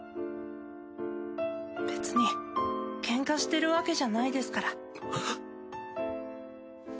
別にケンカしてるわけじゃないですから。